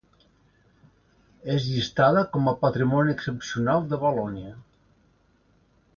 És llistada com patrimoni excepcional de Valònia.